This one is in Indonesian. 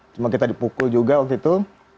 cuma kita dipukul juga waktu itu